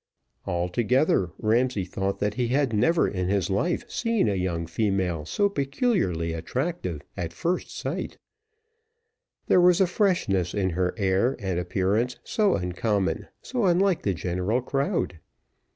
Altogether, Ramsay thought that he had never in his life seen a young female so peculiarly attractive at first sight: there was a freshness in her air and appearance so uncommon, so unlike the general crowd.